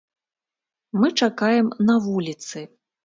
Мы чакаем на вуліцы.